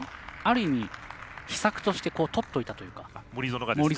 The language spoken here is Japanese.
ある意味、秘策としてとっておいたというか、森薗が。